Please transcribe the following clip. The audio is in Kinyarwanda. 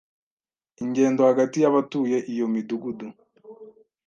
ingendo hagati y'abatuye iyo midugudu